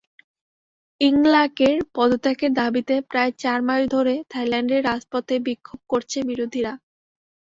ইংলাকের পদত্যাগের দাবিতে প্রায় চার মাস ধরে থাইল্যান্ডের রাজপথে বিক্ষোভ করছে বিরোধীরা।